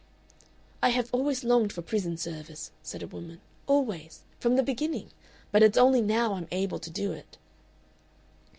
"I have always longed for prison service," said a voice, "always. From the beginning. But it's only now I'm able to do it."